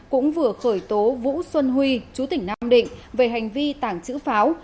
cũng vừa khởi tố vũ xuân huy chú tỉnh nam định về hành vi tàng trữ pháo